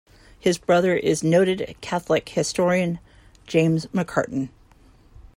His brother is noted Catholic historian James McCartin.